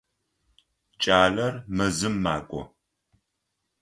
Кӏалэр мэзым макӏо.